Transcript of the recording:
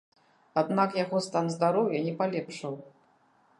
Аднак яго стан здароўя не палепшаў.